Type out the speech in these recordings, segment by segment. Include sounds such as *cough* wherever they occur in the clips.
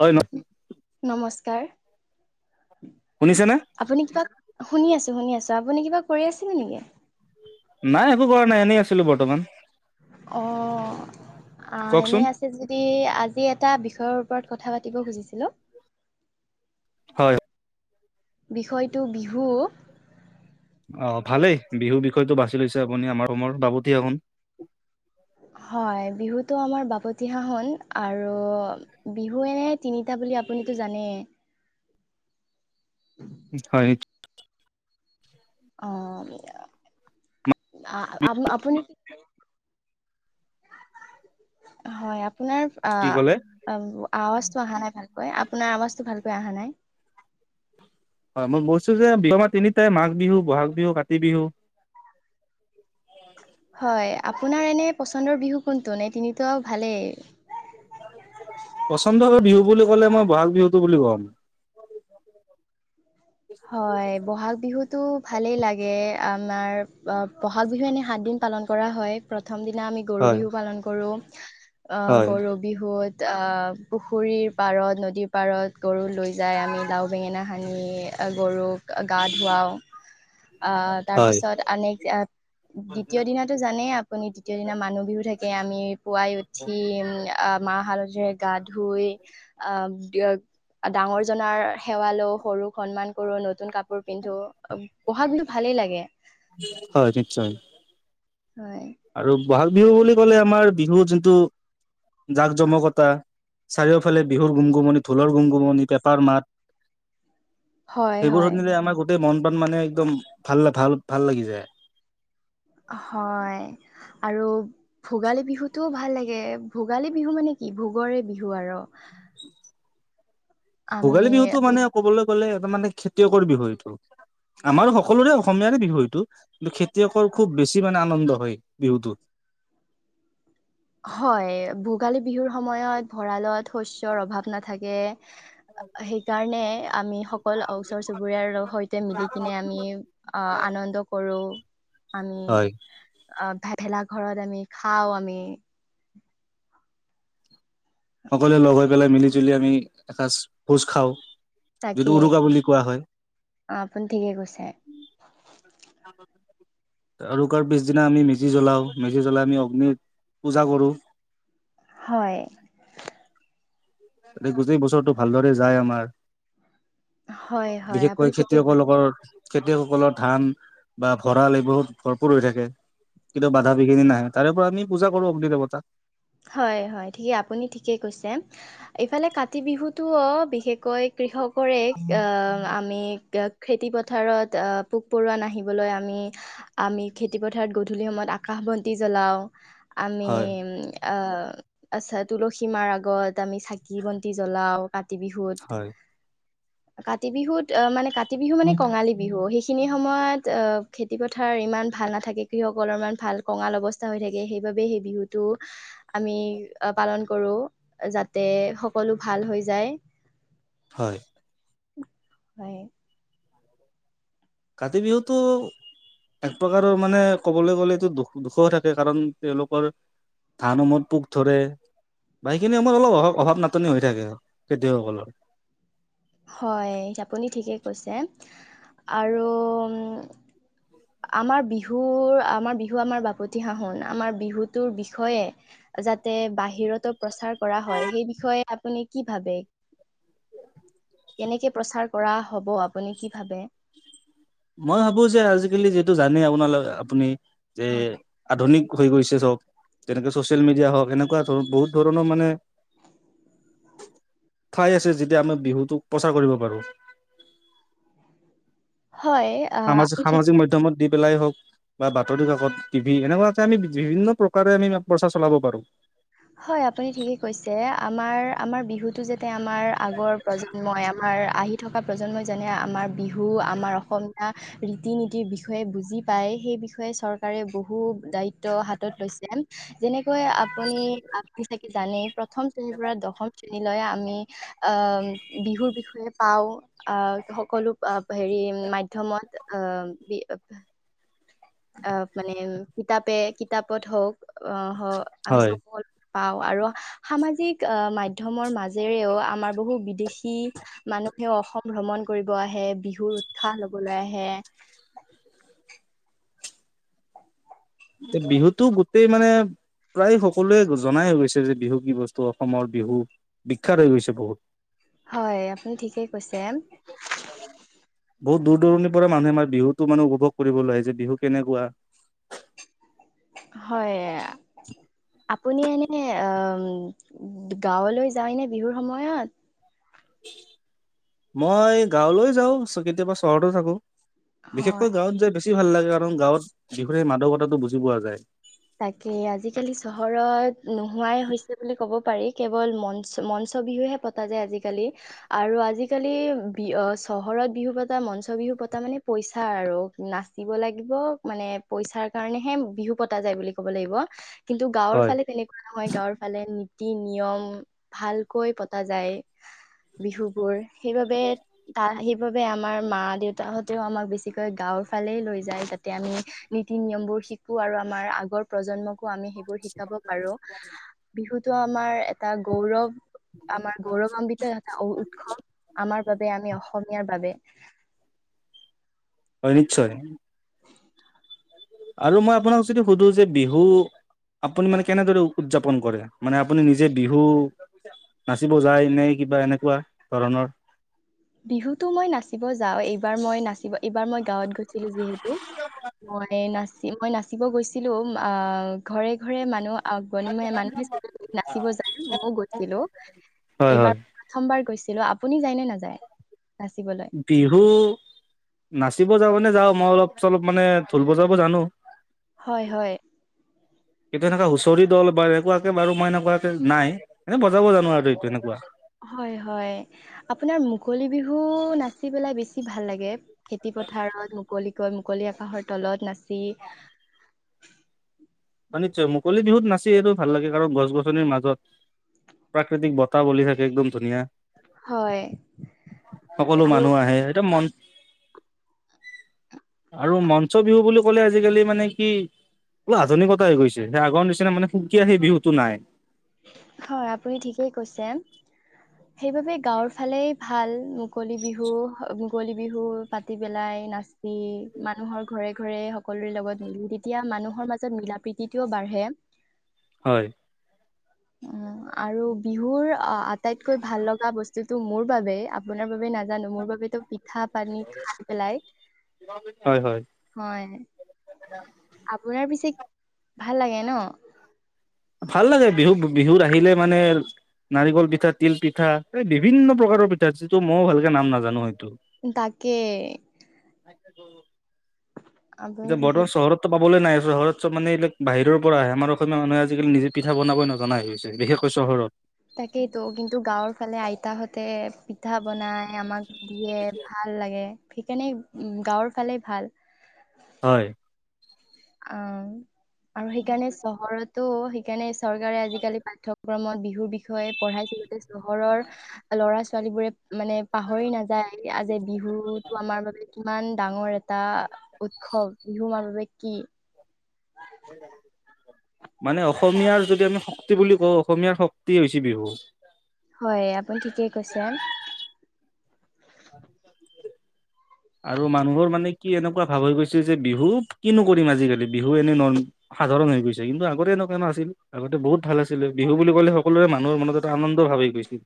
হয় ন নমস্কাৰ। শুনিছেনে? আপুনি কিবা শুনি আছো শুনি আছো আপুনি কিবা কৰি আছিল নেকি? নাই একো কৰা নাই এনেই আছিলো বৰ্তমান। অহ আ, এনে কওকচোন আছে যদি আজি এটা বিষয়ৰ ওপৰত কথা পাতিব খুজিছিলো। হয়। বিষয়টো বিহু অহ, ভালেই বিহুৰ বিষয়টো বাছি লৈছে আপুনি আমাৰ ৰোমৰ বাপতি সাহোন। হয়, বিহুটো আমাৰ বাপতিসাহোন আৰু বিহু এনে তিনিটা বুলি আপুনিতো জানেই। হয়। অহ, আপ - আপুনি *inaudible* হয়, আপোনাৰ আ কি ক'লে -আৱাজটো অহা নাই ভালকৈ আপোনাৰ আৱাজটো ভাল কৈ আহা নাই। হয়, মই বৈছো যে বিহু টো আমাৰ তিনিটাই মাঘ বিহু, বহাগ বিহু, কাতি বিহু *inaudible* হয়, আপোনাৰ এনে পচন্দৰ বিহু কোনটো নে তিনিতো আৰু ভালেই পচন্দ ভাবে বিহু বুলি ক'লে মই বহাগ বিহুটো বুলি কম। হয়। ব'হাগ বিহুটো ভালে লাগে আমাৰ বহাগ বিহু এনে সাত দিন পালন কৰা হয়। প্ৰথমে প্ৰথম দিনা আমি গৰু হয় বিহু পালন কৰোঁ আহ হয় গৰু বিহুত আহ পুখুৰীৰ পাৰত, নদীৰ পাৰত গৰু লৈ যায় আমি লাও, বেঙেনা সানি গৰুক গা ধুৱাওঁ আহ, হয় তাৰপিছত আনেক দ্বিতীয় দিনাটো জানেই আপুনি দ্বিতীয় দিনা মানুহ বিহু থাকে আমি পুৱাই উঠি আহ, মাহ হালধিৰে গা ধুই, আহ ডাঙৰ জনাৰ সেৱা লও, সৰুক সন্মান কৰো, নতুন কাপোৰ পিন্ধো বহাগ বিহু ভালেই লাগে। হয়, নিশ্চয়। হয়। আৰু বহাগ বিহু বুলি কলে আমাৰ বিহু যোনটো জাক -জমকতা চাৰিওফালে বিহুৰ গুমগুমনি ঢোলৰ -গুমগুমনি, পেঁপাৰ মাত *inaudible* হয় সেইবোৰ হয় শুনিলে আমাৰ গোটেই মন প্ৰান মানে একদম ভাল -ভাল -ভাল লাগি যায়। হয়। আৰু ভোগালী বিহুটোও ভাল লাগে। ভোগালী বিহু মানে কি ভোগৰে বিহু আৰু। *inaudible* আমি ভোগালী বিহুটো মানে ক'বলৈ গ'লে এটা মানে খেতিয়কৰ বিহু এইটো। আমাৰ সকলোৰে অসমীয়াৰে বিহু এইটো কিন্তু, খেতিয়কৰ খুব বেছি মানে আনন্দ হয় বিহুটো। *inaudible* হয়, ভোগালী বিহুৰ সময়ত ভঁৰালত শস্যৰ অভাৱ নাথাকে *inaudible* সেইকাৰণে আমি সকলো ওচৰ- চুবুৰীয়াৰ সৈতে মিলি কিনে আমি আহ আনন্দ আনন্দ কৰোঁ। আমি হয় অহ ভে -ভেলা ঘৰত আমি খাও আমি। সকলোৱে লগ হৈ পেলাই মিলি -জুলি আমি এসাঁজ ভোজ খাওঁ। তাকে যিটো উৰুকা বুলি কোৱা হয়। আপুনি ঠিকে কৈছে *unintelligible* আৰুকাৰ পিছদিনা আমি মেজি জ্বলাওঁ। মেজি জ্বলাই আমি অগ্নিত পূজা কৰোঁ। হয়। যাতে গোটেই বছৰটো ভালদৰে যায় আমাৰ। হয় হয় আপুনি বিশেষকৈ ঠিকেই খেতিয়কৰ কৈছে লগৰ খেতিয়কসকলৰ ধান বা ভঁৰাল এইবোৰ ভৰপুৰ হৈ থাকে। কিন্তু বাধা বিঘিনি নাহে তাৰে পৰা আমি পূজা কৰো অগ্নি দেৱতাক। হয় -হয় ঠিকেই আপুনি ঠিকেই কৈছে ইফালে কাতি বিহুতোৱ বিশেষকৈ কৃষক কৰে আ আমি খেতিপথাৰত আ পোক পৰুৱা নাহিবলৈ আমি আমি খেতিপথাৰত গধূলি সময়ত আকাশ বন্তি জ্বলাওঁ। আমি হয় আ আচ্ছা তুলসীমাৰ আগত। আমি চাকি বন্তি জলাও কাতি বিহুত। হয় কাতি বিহুত মানে কা কাতি বিহু মানে কঙালী বিহু সেইখিনি স সময়ত খেতি পথাৰ ইমান ভাল নাথাকে। কৃষকসকলৰ ইমান ভাল কঙাল অৱস্থা হৈ থাকে। সেইবাবেই সেই বিহুটো আমি পালন কৰো যাতে সকলো ভাল হৈ যায়। *inaudible* হয়। হয়। কাতি বিহুটো। এক প্ৰকাৰৰ মানে ক'বলৈ গ'লেটো দুখ দুখ থাকে। কাৰণ তেওঁলোকৰ ধানসমূত পোক ধৰে। বাকীখিনি সময়ত অলপ অ অভাৱ নাটনি হৈ থাকে খেতিয়কসকলৰ হয় আপুনি ঠিকেই কৈছে আৰু আমাৰ বিহুৰ আমাৰ বিহু আমাৰ বাপতি সাহোন আমাৰ বিহুটোৰ বিষয়ে যাতে বাহিৰতো প্ৰচাৰ কৰা হয় সেই বিষয়ে আপুনি কি ভাবে কেনেকে প্ৰচাৰ কৰা হব আপুনি কি ভাবে মই ভাবো যে আজিকালি যিহেটো জানেই আপোনালোক আপুনি যে হয় আধুনিক হৈ গৈছে চব তেনেকে ছচিয়েল মিডিয়া হওক এনেকুৱা ধৰ বহুত ধৰণৰ মানে ঠাই আছে যেতিয়া আমি বিহুটোক প্ৰচাৰ কৰিব পাৰো। *inaudible* হয় আহ সামাজিক আমি ঠিক সামাজিক মাধ্যয়মত দি পেলাই হওঁক বা বাতৰি কাকত টিভি এনেকুৱাকে আমি বিভিন্ন প্ৰকাৰে আমি প্ৰচাৰ চলাব পাৰো হয় আপুনি ঠিকে কৈছে আমাৰ আমাৰ বিহুতো যাতে আমাৰ আগৰ প্ৰজন্মই আমাৰ আহি থকা প্ৰজন্মই যেনে আমাৰ বিহু আমাৰ অসমীয়া ৰীতি নীতিৰ বিষয়ে বুজি পায় সেই বিষয়ে চৰকাৰে বহু দায়িত্ব হাতত লৈছে। যেনেকৈ আপুনি আপুনি চাগে জানেই প্ৰথম শ্ৰেণীৰ পৰা দশম শ্ৰেণী লৈ আমি অ বিহুৰ বিষয়ে পাওঁ আহ সকলো হেৰি মাধ্যমত ক বি অ মানে কিতাপে কিতাপত হওক আহ হওক আমি হয় চ পাওঁ আৰু সামাজিক আহ মাধ্যয়মৰ মাজেৰেও আমাৰ বহু বিদেশী মানু- মানুহেও অসম ভ্ৰমণ কৰিব আহে বিহুৰ উৎসাহ লবলৈ আহে বিহুতো গোটেই মানে প্ৰায় সকলোৱে গুজ জনাই হৈ গৈছে যে বিহু কি বস্তু অসমৰ বিহু বিখ্যাত হৈ গৈছে বহুত। হয় আপুনি ঠিকেই কৈছে বহুত দূৰ দূৰণিৰ পৰা মানুহে আমাৰ বিহুতো মানে উপভোগ কৰিবলৈ আহে যে বিহু কেনেকুৱা হয় আপুনি এনে গাঁৱলৈ যায় নে বিহুৰ সময়ত মই গাঁৱলৈ যাও কেতিয়াবা চহৰতো থাকো। হয় বিশেষকৈ গাঁৱত যাই বেছি ভাল লাগে কাৰণ গাঁৱত বিহু সেই মাদকতাটো বুজি পোৱা যায় তাকে আজিকালি চহৰত নোহোৱাই হৈছে বুলি ক'ব পাৰি কেৱল মঞ্চ মঞ্চ বিহুহে পতা যাই আজি কালি আৰু আজি কালি বিহু চহৰত বিহু পতা মঞ্চ বিহু পতা মানে পইচা আৰু নাচিব লাগিব মানে পইচাৰ কাৰণে হে বিহু পতা যায় বুলি ক'ব লাগিব কিন্তু গাঁৱৰ হয় ফালে তেনেকুৱা নহয় গাঁৱৰ ফালে টো নিয়ম ভালকৈ পতা যায় বিহু বোৰ সেইবাবে তা সেইবাবে আমাৰ মা দেউতাহতেও আমাক বেছিকৈ গাৱ গাৱৰ ফালে লৈ যায় যাতে আমি নীতি নিয়ম বোৰ শিকো আৰু আমাৰ আগৰ প্ৰজন্মক আমি সেইবোৰ শিকাব পাৰো বিহুটো আমাৰ এটা গৌৰৱ আমাৰ গৌৰৱান্বিত এটা উৎসৱ আমাৰ বাবে আমি অসমীয়াৰ বাবে *inaudible* অ নিশ্চয়ৰে আৰু মই আপোনাক যদি সুধো যে বিহু আপুনি মানে কেনেদৰে উদযাপন কৰে? মানে আপুনি নিজে বিহু নাচিব যায় ন কিবা এনেকুৱা ধৰণৰ বিহুতো মই নাচিব যাওঁ এইবাৰ মই নাচিব এইবাৰ মই গাঁৱত গৈ। ছিলো যিহেতু মই না মই নাচিব গৈছিলো ঘৰে ঘৰে মানুহ মানুহে নাচিব যায় মইও গৈছিলো। হয় হয় এইবাৰ প্ৰথমবাৰ গৈছিলো আপুনি যায় নে নাযায়? নাচিবলৈ? বিহু নাচিব যাব নে যাওঁ। মই অলপ চ অলপ মানে ঢোল বজাব জানো। হয় হয়। এইটো এনেকুৱা হুঁচৰি দল বা এনেকুৱাকে বাৰু মই এনেকুৱাকে নাই এনে বজাব জানো আৰু এইটো এনেকুৱা। হয় হয় আপোনাৰ মুকলি বিহু নাচি পেলাই বেছি ভাল লাগে? খেতি পথাৰত মুকলিকৈ মুকলি আকাশৰ তলত নাচি। হয় নিশ্চয় মুকলি বিহুত নাচি এইটো ভাল লাগে কাৰণ গছ গছনিৰ মাজত। প্ৰাকৃতিক বঁতাহ বুলি থাকে একদম ধুনীয়া। হয় সকলো আৰু মানুহ আহে সটো মন। *inaudible* আৰু মঞ্চ বিহু বুলি ক'লে আজিকালি মানে কি অল আধুনিকতা হৈ গৈছে সেই আগৰ নিচিনা মানে সুকীয়া সেই বিহুটো নাই। হয় আপুনি ঠিকেই কৈছে। সেইবাবে গাঁৱৰ ফালে ভাল মুকলি বিহু মুকলি বিহু পাতি পেলাই। মানুহৰ ঘৰে ঘৰে সকলোৰে লগত মিল তেতিয়া মানুহৰ মাজত মিলা প্ৰীতিও বা বাঢ়ে। হয়। উম আৰু বিহুৰ আটাইতকৈ ভাল লগা বস্তু তটো মোৰ বাবে আপোনাৰ বাবে নাজানো মোৰ বাবে তো পিঠা পানী পেলাই হয় হয় হয়। আপোনাৰ পিছে ভাল লাগে ন। ভাল লাগে বিহু বিহুত আহিলে মানে নাৰিকল পিঠা তিল পিঠা এই বিভিন্ন প্ৰকাৰৰ পিঠা যিটো মইো ভালকে নাম নাজানো হয়। তাকে। উম। আপুনি এতিয়া ঠিকে বৰ্তমান চহৰত। পাবলৈ নাই চহৰত চব মানে এইিলাক বাহিৰৰ পৰা আহে আমাৰ অসমীয়া মানুহে আজিকি নিজে পিঠা বনাব নজনা হৈ হৈছে বিশেষৈ। চহৰত। তাকেইতো কিন্তু গাঁৱৰ ফালে আইতাহতে পিঠা বনাই আমাক দিয়ে ভাল লাগে সেইকাৰণে উ গাঁৱৰ ফালে ভাল। হয়। অ আৰু সেইকাৰণে চহৰতো সেইকাৰণে চৰকাৰে আজিকালি পাঠ্যয়ক্ৰমত বিহুৰ বিষয়ে পঢ়াইছিলতে চহৰৰ ল'ৰা ছোৱালী বোৰে মানে পাহৰি নাযায় আজ বিহুতটো আমাৰ বাবে কিমান ডাঙৰ এটা উৎসৱ বিহু মানৱে কি সেই মানে অসমীয়াৰ যদি আমি শক্তি বুলি কওঁ অসমীয়াৰ শক্তি হৈছে বিহু। হয় আপুনি ঠিকেই কৈছে। আৰু মানুহৰ মানে কি এনেকুৱা ভাৱ হৈ গৈছে যে বিহু কিনো কৰিম আজিকালি বিহু এনেই নৰমেল সাধাৰণ হৈ গৈছে কিন্তু আগতে এনেকুৱা না আছিল আগতে বহুত ভাল আছিলে বিহু বুলি কলে সকলোৰে মানুহৰ মনত এটা আনন্দ ভাল। কৈ গৈছো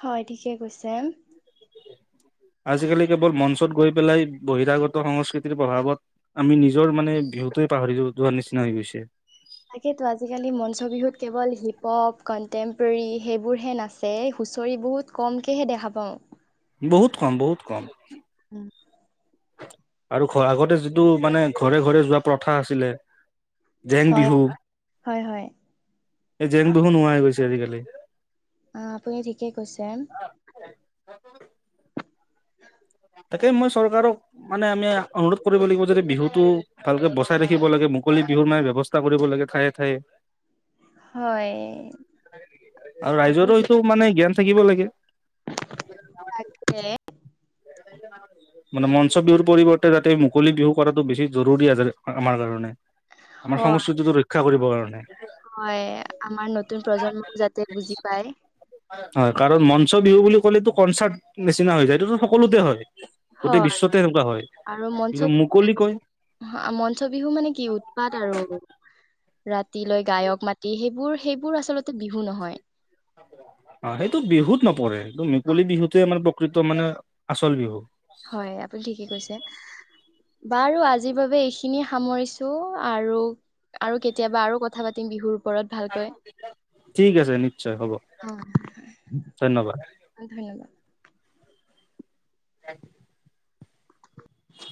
হয় ঠিকে কৈছে আজিকালি কেৱল মঞ্চত গৈ পেলাই বহিৰাগত সংস্কৃতিৰ প্ৰভাৱত আমি নিজৰ মানে সহতে পাহৰি য যোৱাৰ নিচিনা হৈ গৈছে হিপপ কনটেম্পৰেৰী সেইবোৰহে নাচে হুঁচৰি বহুত কমকেহে দেখা পাওঁ বহুত কম বহুত কম উম আৰু খ আগতে যিটো মানে ঘৰে ঘৰে যোৱা প্ৰথা আছিলে জেং হয় বিহু হয় হয় এই জেং বিহু নোহোৱা হৈ গৈছে আজিকালি আহ আপুনি ঠিকে কৈছে উ তাকে মই চৰকাৰক মানে আমি অনুৰোধ কৰিব লাগিব যে বিহুটো ভালকে বচাই ৰাখিব লাগে মুকলি বিহুৰ মে ব ব্যৱস্থা কৰিব লাগে ঠায়ে ঠায়ে। হয় আৰু আপুনি ঠিক ৰাইজৰো এইটো মানে জ্ঞান থাকিব লাগে। তাকে। মানে মঞ্চ বিহুৰ পৰিৱৰ্তে যাতে মুকলি বিহু কৰাটো বেছি জৰুৰী আছে আমাৰ কাৰণে। আমাৰ হয় সংস্কৃতিটো ৰক্ষা কৰিবৰ কাৰণে। হয় আমাৰ নতুন প্ৰজন্মও যাতে বুজি পায়। হয় কাৰণ মঞ্চ বিহু বুলি কলেটো কনচাৰ্ট নিচিনা হৈ যায় এইটো সকলোতে হয়। গোটেই হয় বিশ্বতে সেনেকুৱা হয় আৰু মঞ্চ কিন্তু মুকলি কয়। মঞ্চ বিহু মানে কি উৎপাত আৰু। ৰাতিলৈ গায়ক মাতি সেইবোৰ সেইবোৰ আচলতে বিহু নহয়। অ সেইটো বিহুত নপৰে এইটো মোকলি বিহুতোৱে মানে প্ৰকৃত মানে আচল বিহু। হয় আপুনি ঠিকে কৈছে। বাৰু আজিৰ বাবে এইখিনিয়ে সামৰিছো আৰু। আৰু কেতিয়াবা আৰু কথা পাতিম বিহুৰ। ওপৰত আৰু। ভালকৈ ঠিক আছে নিশ্চয় হ'ব ধন্যবাদ। অ ধন্যবাদ *unintelligible*